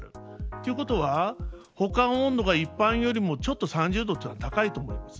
ということは保管温度が一般よりもちょっと３０度というのは高いと思います。